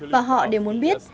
và họ đều muốn biết